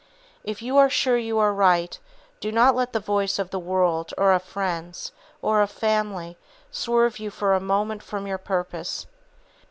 If you are sure you are right, do not let the voice of the world, or of friends, or of family swerve you for a moment from your purpose.